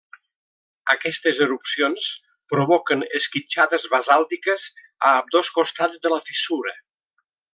Aquestes erupcions provoquen esquitxades basàltiques a ambdós costats de la fissura.